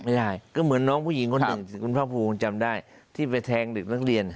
ไม่ได้ก็เหมือนน้องผู้หญิงคนหนึ่งคุณภาคภูมิจำได้ที่ไปแทงเด็กนักเรียน